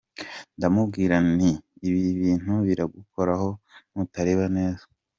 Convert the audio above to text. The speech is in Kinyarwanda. Ndamubwira nti ibi bintu biragukoraho nutareba neza.